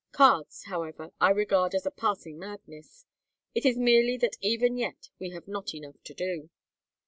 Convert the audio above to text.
Cards, however, I regard as a passing madness; it merely means that even yet we have not enough to do.